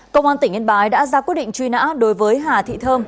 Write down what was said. công an tỉnh yên bái đã ra quyết định truy nã đối với hà thị thơm